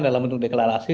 dalam bentuk deklarasi